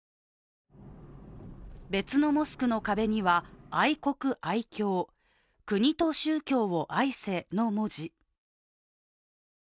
別のモスクの壁には愛国愛教＝国と宗教を愛せ、の文字。